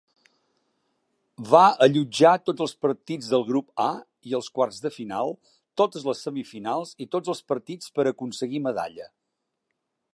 Va allotjar tots els partits del Grup A i els quarts de final, totes les semifinals i tots els partits per aconseguir medalla.